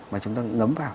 mà chúng ta ngấm vào